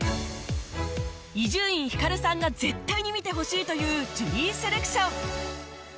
伊集院光さんが絶対に見てほしいというジュリーセレクション